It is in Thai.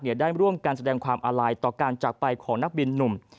ในการแสดงความอะไลต่อการจากไปของนักบินนุม